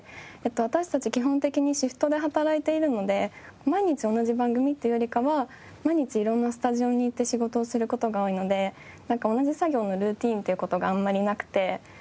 私たち基本的にシフトで働いているので毎日同じ番組というよりかは毎日色んなスタジオに行って仕事をする事が多いので同じ作業のルーティンという事があんまりなくて。